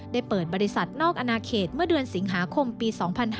ได้เปิดบริษัทนอกอนาเขตเมื่อเดือนสิงหาคมปี๒๕๕๙